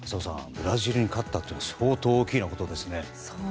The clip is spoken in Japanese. ブラジルに勝ったのは相当大きなことですね。